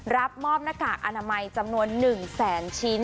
รับมอบหน้ากากอนามัยจำนวน๑แสนชิ้น